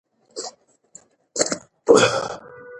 ځان وینی خوان نه ويني .